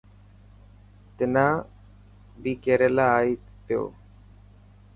تنا ٻي ڪيريلا آئي پيو.